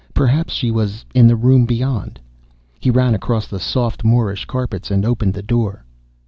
Perhaps she was in the room beyond. He ran across the soft Moorish carpets, and opened the door.